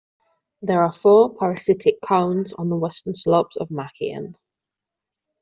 There are four parasitic cones on the western slopes of Makian.